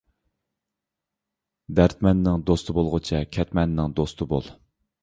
دەردمەننىڭ دوستى بولغۇچە، كەتمەننىڭ دوستى بول.